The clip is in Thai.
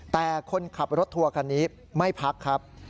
แต่คนขับรถทัวร์คันนี้ไม่พักครับ